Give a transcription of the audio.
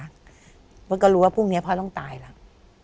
แล้วก็รู้ว่าพรุ่งนี้พ่อต้องตายแล้ว